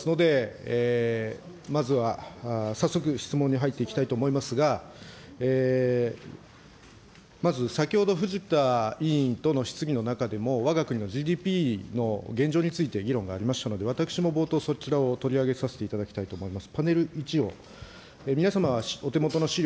時間に限りがありますので、まずは早速、質問に入っていきたいと思いますが、まず先ほど藤田との質疑の中でも、わが国のＧＤＰの現状について議論がありましたので、私も冒頭、そちらを取り上げさせていただきたいと思います。